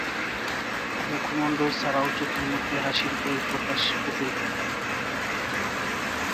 মুখমণ্ডল ছাড়াও চোখের মধ্যেও হাসির বহিঃপ্রকাশ ফুটে উঠতে পারে।